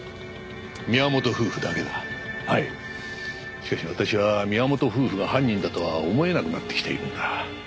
しかし私は宮本夫婦が犯人だとは思えなくなってきているんだ。